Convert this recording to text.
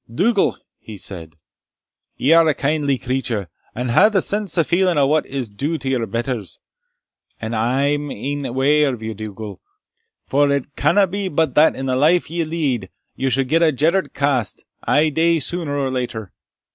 "Dougal," he said, "ye are a kindly creature, and hae the sense and feeling o' what is due to your betters and I'm e'en wae for you, Dougal, for it canna be but that in the life ye lead you suld get a Jeddart cast* ae day suner or later.